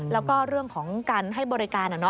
แล้วก็เรื่องของการให้บริการ